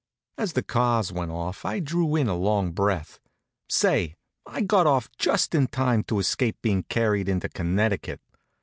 As the cars went off I drew in a long breath. Say, I'd got off just in time to escape bein' carried into Connecticut.